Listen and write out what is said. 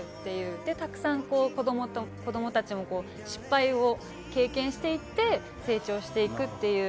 そしてたくさん子供たちも失敗を経験していって成長していく。